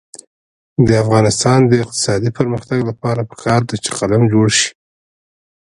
د افغانستان د اقتصادي پرمختګ لپاره پکار ده چې قلم جوړ شي.